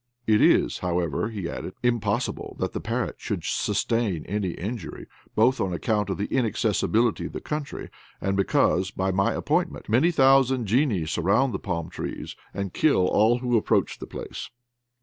It is, however," he added, "impossible that the parrot should sustain any injury, both on account of the inaccessibility of the country, and because, by my appointment, many thousand genii surround the palm trees, and kill all who approach the place."